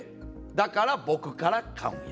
だから僕から買うんや。